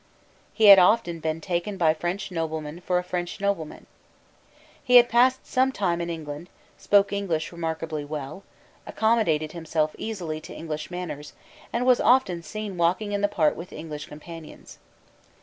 He had often been taken by French noblemen for a French nobleman. He had passed some time in England, spoke English remarkably well, accommodated himself easily to English manners, and was often seen walking in the park with English companions.